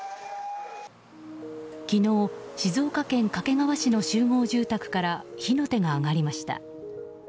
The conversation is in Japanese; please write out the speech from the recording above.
昨日、静岡県掛川市の集合住宅から火の手が上がりました。